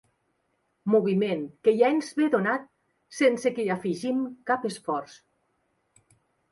Moviment que ja ens ve donat sense que hi afegim cap esforç.